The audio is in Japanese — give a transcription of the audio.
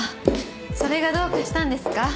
それがどうかしたんですか？